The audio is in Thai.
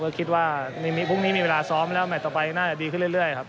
ก็คิดว่าพรุ่งนี้มีเวลาซ้อมแล้วแมทต่อไปน่าจะดีขึ้นเรื่อยครับ